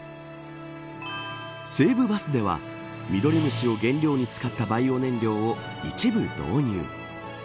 西武バスではミドリムシを原料に使ったバイオ燃料を一部導入。